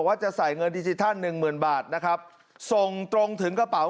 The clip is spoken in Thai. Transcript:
ว่าจะใส่เงินดิจิทัลหนึ่งหมื่นบาทนะครับส่งตรงถึงกระเป๋า